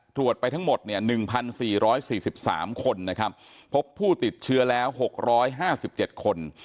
ตรวจไปทั้งหมด๑๔๔๓คนนะครับพบผู้ติดเชื้อแล้ว๖๕๗คน